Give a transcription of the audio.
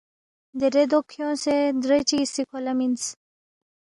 دیرے دو کھیونگسے درے چگی سی کھو لہ مِنس